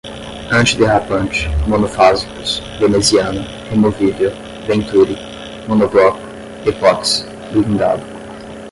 antiderrapante, monofásicos, veneziana, removível, venturi, monobloco, epóxi, blindado